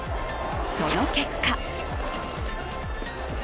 その結果。